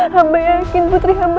hamba yakin putri hamba